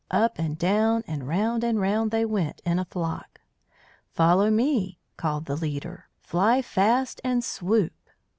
Up and down, and round and round, they went in a flock. "Follow me," called the leader. "Fly fast and swoop!"